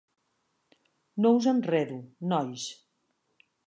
No us enredo, nois.